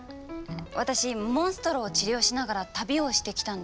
私モンストロを治療しながら旅をしてきたんですけど。